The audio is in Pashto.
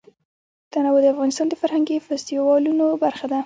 تنوع د افغانستان د فرهنګي فستیوالونو برخه ده.